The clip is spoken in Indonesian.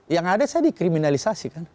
yang ada saya dikriminalisasi kan